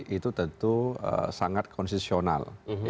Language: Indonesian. itu tentu sangat konsesional